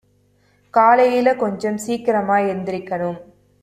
காலையில கொஞ்சம் சீக்கிரமா எந்திரிக்கனும்